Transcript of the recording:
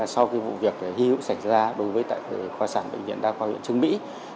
sau vụ việc hi hữu xảy ra đối với khoa sản bệnh viện đa khoa huyện trương mỹ